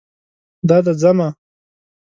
دا دی ځمه